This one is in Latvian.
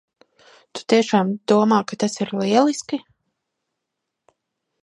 Tu tiešām domā, ka tas ir lieliski?